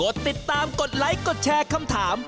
ติดตามกดไลค์กดแชร์คำถาม